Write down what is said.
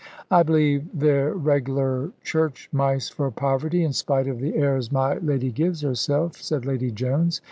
"I believe they're reg'lar church mice for poverty, in spite of the airs my lady gives herself," said Lady Jones.